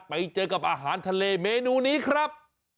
ไปเจอกับอาหารทะเลเมนูนี้ครับ